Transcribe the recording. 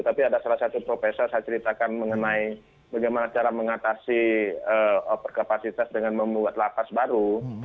tapi ada salah satu profesor saya ceritakan mengenai bagaimana cara mengatasi overkapasitas dengan membuat lapas baru